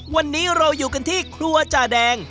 วันนี้เราอยู่กันที่ครัวจาแดง